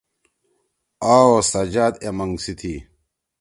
آ او سجاد اے مَنگ سی تھی۔